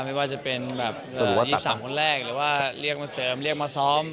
ไม่ว่าจะเป็นแบบ๒๓คนแรกหรือว่าเรียกมาเสริมเรียกมาซ้อม